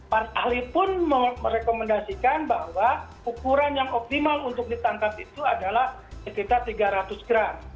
para ahli pun merekomendasikan bahwa ukuran yang optimal untuk ditangkap itu adalah sekitar tiga ratus gram